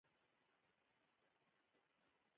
غوره خوراکي عادتونه د زړه لپاره ګټور دي.